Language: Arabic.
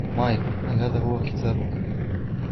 مايك ، هل هذا هو كتابك ؟